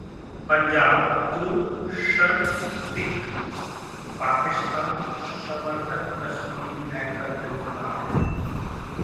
पंजाबः दो संदिग्ध पाकिस्तान समर्थक कश्मीरी हैकर गिरफ्तार